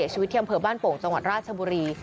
ชีวิตที่อำเภอบ้านโป่งจังหวัดราชบุรี